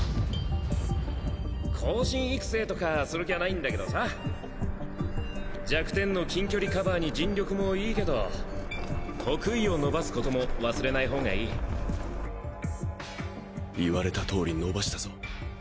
後進育成とかする気はないんだけどさ弱点の近距離カバーに尽力もいいけど得意を伸ばすことも忘れないほうがいい言われた通り伸ばしたぞ。